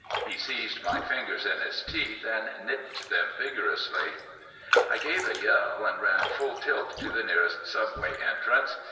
He seized my fingers in his teeth and nipped them vigorously. I gave a yell and ran full tilt to the nearest subway entrance.